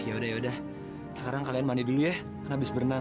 yaudah yaudah sekarang kalian mandi dulu ya karena habis berenang